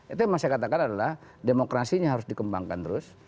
itu yang mau saya katakan adalah demokrasinya harus dikembangkan terus